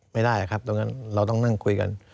ไม่ได้ครับตรงนั้นเราต้องนั่งคุยกัน